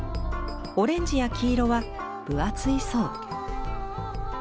オレンジや黄色は分厚い層。